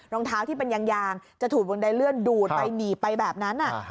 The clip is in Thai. รองเท้าที่เป็นยางจะถูกบนใดเลื่อนดูดไปหนีบไปแบบนั้น